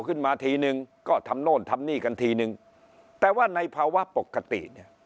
ขึ้นมาทีนึงก็ทำโน่นทำนี่กันทีนึงแต่ว่าในภาวะปกติเนี่ย